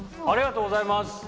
ありがとうございます。